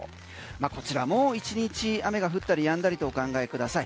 こちらも１日雨が降ったりやんだりとお考えください。